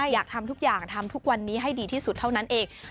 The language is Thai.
อยากทำทุกอย่างทำทุกวันนี้ให้ดีที่สุดเท่านั้นเอง